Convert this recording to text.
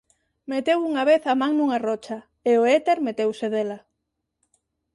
Meteu unha vez a man nunha rocha, e o Éter meteuse dela.